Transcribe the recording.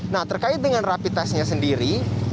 nah terkait dengan rapi tesnya sendiri